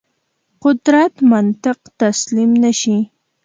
قدرت منطق تسلیم نه شي.